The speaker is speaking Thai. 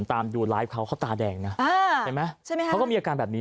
ผมตามดูไลฟ์เขาเขาตาแดงน่ะเขาก็มีอาการแบบนี้